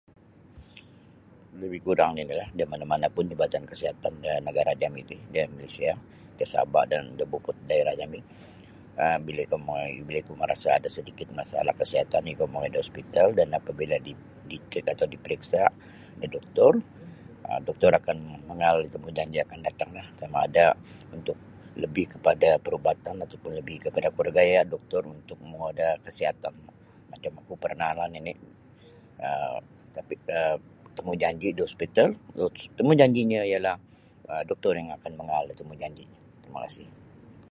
Lebih kurang ninilah da mana-mana pun Jabatan Kesihatan da nagara jami ti da Malaysia da Sabah dan da Beaufort daerah jami um bila ikou mongoi bila ikou merasa ada sedikit masalah kesihatan ikou mongoi da hospital dan apabila dicheck atau diperiksa da doktor um doktor akan mangaal da temujanji akan datanglah sama ada untuk lebih kepada perubatan atau pun lebih kepada kuro gaya doktor untuk monguo da kasihatan macam oku pernah nini temujanji da hospital temujanjinyo ialah doktor yang akan mangaal da temujanji terima kasih.